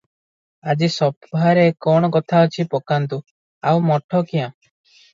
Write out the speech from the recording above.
ଆଜି ସଭାରେ କଣ କଥା ଅଛି ପକାନ୍ତୁ, ଆଉ ମଠ କ୍ୟାଁ?"